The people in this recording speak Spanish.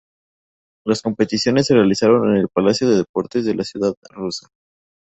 Las competiciones se realizaron en el Palacio de Deportes de la ciudad rusa.